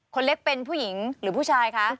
คนเล็กเป็นผู้หญิงหรือผู้ชายคะ